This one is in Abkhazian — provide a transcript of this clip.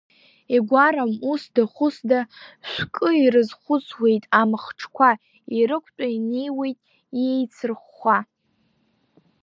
Игәарам усда-ҳәысда, шәкы ирызхәыцуеит, амахҽқәа ирықәтәа инеиуеит, иеицырхәхәа…